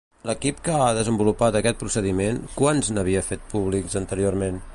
L'equip que ha desenvolupat aquest procediment, quants n'havia fet públics anteriorment?